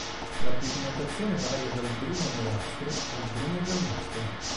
La pigmentazione varia dal bruno-nerastro al bruno-giallastro.